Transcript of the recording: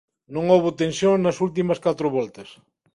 Non houbo tensión nas últimas catro voltas.